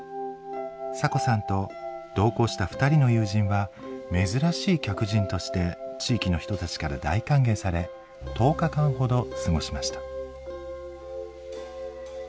サコさんと同行した２人の友人は珍しい客人として地域の人たちから大歓迎され１０日間ほど過ごしました。